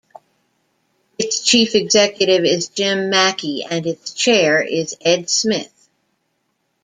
Its chief executive is Jim Mackey and its Chair is Ed Smith.